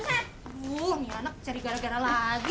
aduh ini anak cari gara gara lagi